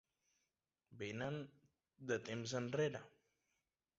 Vénen de temps enrere.